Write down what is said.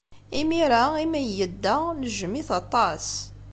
Imir-a imi ay yedda, nejjem-it aṭas.